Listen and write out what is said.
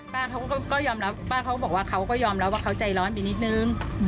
ป้าเขาก็ยอมรับป้าเขาก็บอกว่าเขาก็ยอมรับว่าเขาใจร้อนไปนิดนึง